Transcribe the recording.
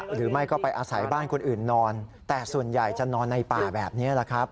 หรือไม่ก็ไปอาศัยบ้านคนอื่นนอนแต่ส่วนใหญ่จะนอนในป่าแบบนี้แหละครับ